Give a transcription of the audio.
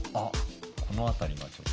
この辺りがちょっと。